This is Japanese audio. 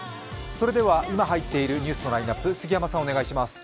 それでは、今入っているニュースのラインナップ杉山さん、お願いします。